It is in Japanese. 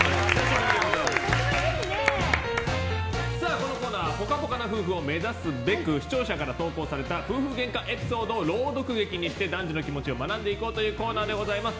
このコーナーではぽかぽかな夫婦を目指すべく視聴者から投稿された夫婦ゲンカエピソードを朗読劇にして、男女の気持ちを学んでいこうというコーナーです。